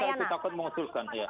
sehingga mereka takut mengusulkan